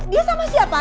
dia sama siapa